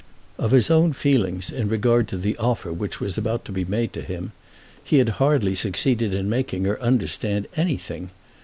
Of his own feelings in regard to the offer which was about to be made to him he had hardly succeeded in making her understand anything.